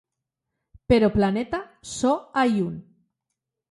Pero planeta só hai un.